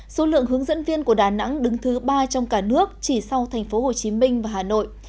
số lượng hướng dẫn viên của đà nẵng đứng thứ ba trong cả nước chỉ sau thành phố hồ chí minh và hà nội